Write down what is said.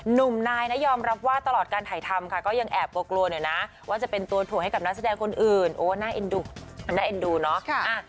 หนุ่มนายนะยอมรับว่าตลอดการถ่ายทำค่ะก็ยังแอบกลัวหน่อยนะว่าจะเป็นตัวถ่วงให้กับนักแสดงคนอื่นโอ้น่าเอ็นดูเนาะ